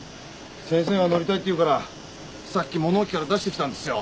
先生が乗りたいって言うからさっき物置から出してきたんですよ。